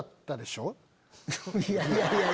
いやいや。